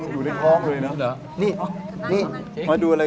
ลูกมาแล้ว